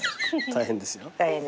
大変です。